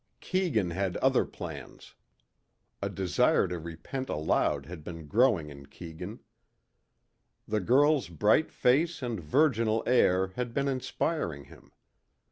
Keegan had other plans. A desire to repent aloud had been growing in Keegan. The girl's bright face and virginal air had been inspiring him.